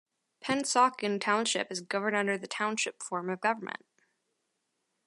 Pennsauken Township is governed under the Township form of government.